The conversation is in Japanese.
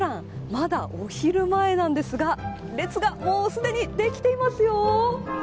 まだお昼前なんですが列がもうすでにできていますよ。